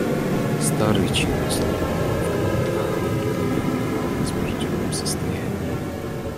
Старый чинный слуга был в каком-то необыкновенно возбужденном состоянии.